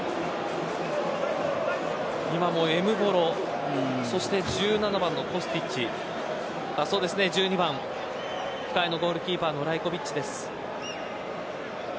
今もエムボロ１７番のコスティッチ１２番、控えのゴールキーパーのライコヴィッチです。